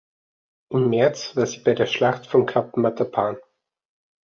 Im März war sie bei der Schlacht von Kap Matapan.